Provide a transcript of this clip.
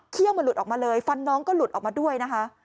มันหลุดออกมาเลยฟันน้องก็หลุดออกมาด้วยนะคะ